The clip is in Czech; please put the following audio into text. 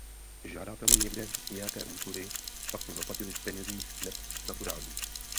Žádali-li někde nějaké úsluhy, pak to zaplatili v penězích neb naturáliích.